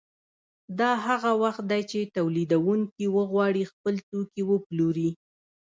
دا هغه وخت دی چې تولیدونکي وغواړي خپل توکي وپلوري